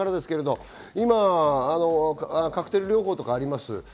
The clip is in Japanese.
カクテル療法とかが今あります。